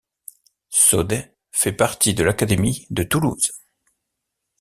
Sode fait partie de l'académie de Toulouse.